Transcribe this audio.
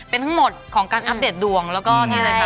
เป็นทั้งหมดของการอัปเดตดวงแล้วก็นี่เลยค่ะ